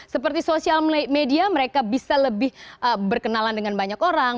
seperti sosial media mereka bisa lebih berkenalan dengan banyak orang